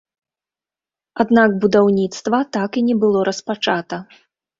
Аднак будаўніцтва так і не было распачата.